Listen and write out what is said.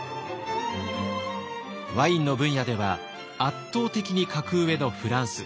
ワインの分野では圧倒的に格上のフランス。